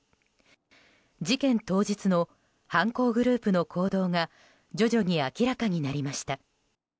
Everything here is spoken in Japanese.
事件当日の犯行グループの行動が徐々に明らかになりました。